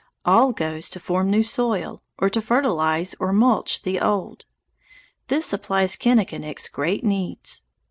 All goes to form new soil, or to fertilize or mulch the old. This supplies Kinnikinick's great needs.